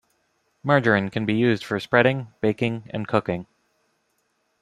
Margarine can be used for spreading, baking, and cooking.